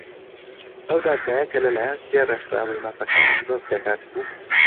ئەو دادگایە کە لەلایەن سێ ڕێکخراوەی مافەکانی مرۆڤ پێک هاتبوو